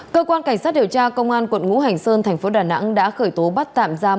cơ quan cảnh sát điều tra công an quận ngũ hành sơn thành phố đà nẵng đã khởi tố bắt tạm giam